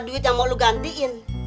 masalah duit yang mau lu gantiin